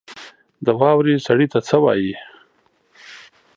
د واورې سړي ته څه وايي؟